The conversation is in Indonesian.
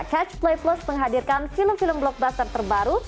catch play plus menghadirkan film film blockbuster terbaru